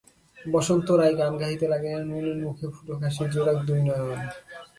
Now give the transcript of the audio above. বসন্ত রায় গান গাহিতে লাগিলেন, মলিন মুখে ফুটুক হাসি, জুড়াক দু-নয়ন।